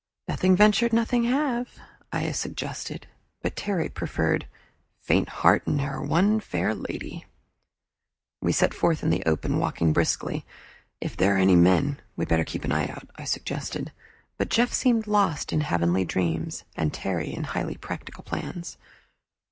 "Nothing venture, nothing have," I suggested, but Terry preferred "Faint heart ne'er won fair lady." We set forth in the open, walking briskly. "If there are any men, we'd better keep an eye out," I suggested, but Jeff seemed lost in heavenly dreams, and Terry in highly practical plans.